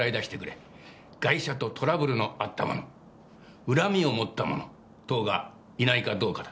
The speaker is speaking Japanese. ガイシャとトラブルのあった者恨みを持った者等がいないかどうかだ。